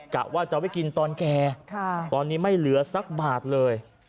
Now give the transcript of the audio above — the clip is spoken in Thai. กะว่าจะไว้กินตอนแก่ตอนนี้ไม่เหลือสักบาทเลย